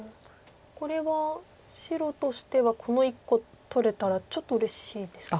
これは白としてはこの１個取れたらちょっとうれしいですか。